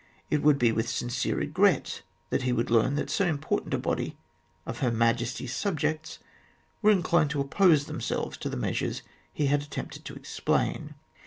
It would be with sincere regret that he would learn that so important a body of Her Majesty's subjects were inclined to oppose themselves to the measures he had attempted to explain.